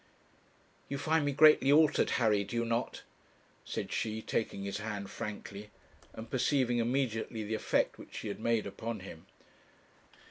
'You find me greatly altered, Harry, do you not?' said she, taking his hand frankly, and perceiving immediately the effect which she had made upon him.